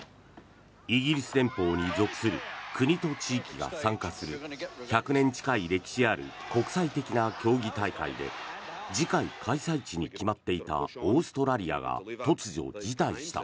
イギリス連邦に属する国と地域が参加する１００年近い歴史ある国際的な競技大会で次回開催地に決まっていたオーストラリアが突如辞退した。